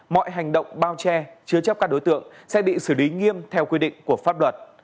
mọi hành động bao che chứa chấp các đối tượng sẽ bị xử lý nghiêm theo quy định của pháp luật